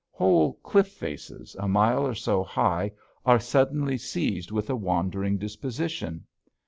Whole cliff faces, a mile or so high, are suddenly seized with a wandering disposition.